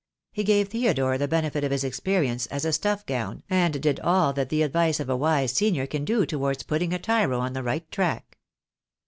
He gave Theodore the benefit of his experience as a stuff gown, and did all that the advice of a wise senior can do towards putting a tyro on the right track.